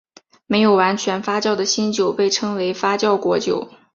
没有完全发酵的新酒被称为发酵果酒。